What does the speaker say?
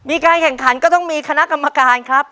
มีการแข่งขันก็ต้องมีคณะกรรมการครับ